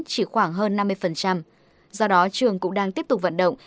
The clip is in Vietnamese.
chỉ khoảng hơn năm mươi do đó trường cũng đang tiếp tục vận động